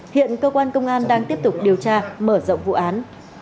hiện cơ quan công an đang tiếp tục điều tra mở rộng vụ án